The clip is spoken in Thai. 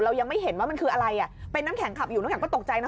ยังไม่เห็นว่ามันคืออะไรอ่ะเป็นน้ำแข็งขับอยู่น้ำแข็งก็ตกใจนะ